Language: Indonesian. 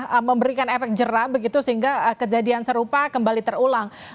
bisa memberikan efek jerah begitu sehingga kejadian serupa kembali terulang